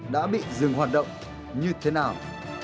đã bị dừng hoạt động như thế nào